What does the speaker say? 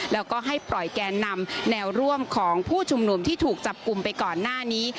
แล้วก็ให้ปล่อยแกนนำแนวร่วมของผู้ชุมนุมที่ถูกจับกลุ่มไปก่อนหน้านี้